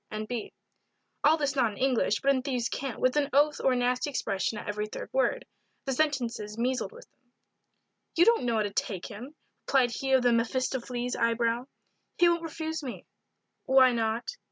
N. B. All this not in English, but in thieve's cant, with an oath or a nasty expression at every third word. The sentences measled with them. "You don't know how to take him," replied he of the Mephistopheles eye brow. "He won't refuse me." "Why not?"